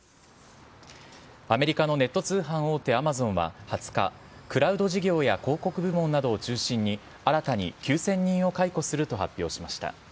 アメリカのネット通販大手、アマゾンは２０日、クラウド事業や広告部門などを中心に新たに９０００人を解雇すると発表しました。